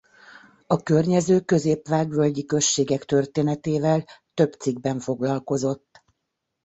A környező Közép-Vág-völgyi községek történetével több cikkben foglalkozott.